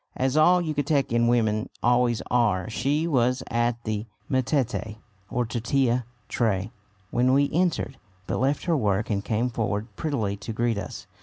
As all Yucatecan women always are, she was at the metate or tortilla tray when we entered, but left her work and came forward prettily to greet us.